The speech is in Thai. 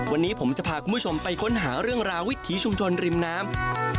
วันนี้ผมจะพาคุณผู้ชมไปค้นหาเรื่องราววิถีชุมชนริมน้ำ